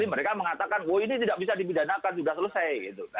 mereka mengatakan oh ini tidak bisa dipidanakan sudah selesai